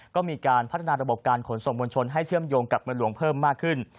ก็มีการพัฒนาระบบการขนส่งมวลชนให้เชื่อมโยงกับเมืองหลวงเพิ่มมากขึ้น